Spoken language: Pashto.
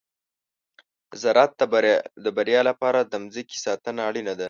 د زراعت د بریا لپاره د مځکې ساتنه اړینه ده.